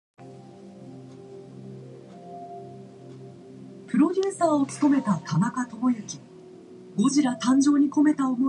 Non-aligned airlines maneuvered to form their own partnerships.